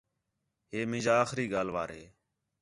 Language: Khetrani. ہے مینجا آخری ڳالھ وار ہے